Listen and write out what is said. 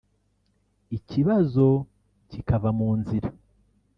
ikibazo kikava mu nzira